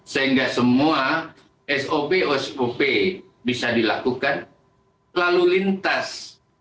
sehingga semua sop sop bisa dilakukan lalu lintas